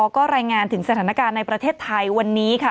ก็รายงานถึงสถานการณ์ในประเทศไทยวันนี้ค่ะ